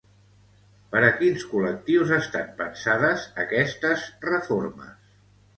Per a quins col·lectius estan pensades aquestes reformes?